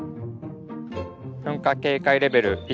「噴火警戒レベル１」。